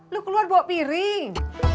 lu keluar bawa piring